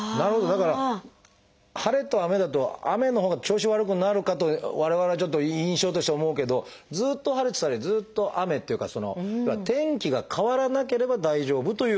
だから晴れと雨だと雨のほうが調子悪くなるかと我々はちょっと印象としては思うけどずっと晴れてたりずっと雨っていうか天気が変わらなければ大丈夫というようなこと？